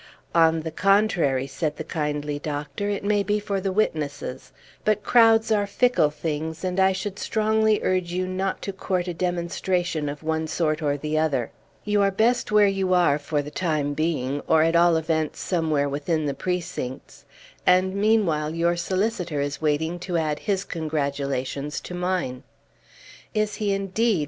"On the contrary," said the kindly doctor, "it may be for the witnesses; but crowds are fickle things; and I should strongly urge you not to court a demonstration of one sort or the other. You are best where you are for the time being, or at all events somewhere within the precincts. And meanwhile your solicitor is waiting to add his congratulations to mine." "Is he, indeed!"